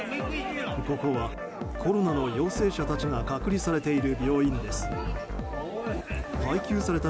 ここは、コロナの陽性者たちが隔離されている病院です。